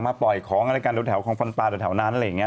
มาปล่อยของอะไรกันแต่ว่าแถวของฟันปลาแต่ว่าแถวนั้นอะไรอย่างนี้